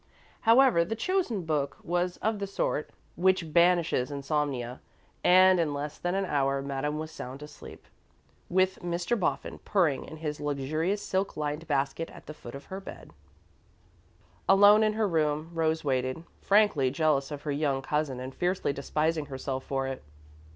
However, the chosen book was of the sort which banishes insomnia, and, in less than an hour, Madame was sound asleep, with Mr. Boffin purring in his luxurious silk lined basket at the foot of her bed. Alone in her own room, Rose waited, frankly jealous of her young cousin and fiercely despising herself for it.